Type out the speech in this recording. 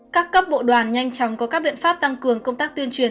các cấp bộ đoàn nhanh chóng có các biện pháp tăng cường công tác tuyên truyền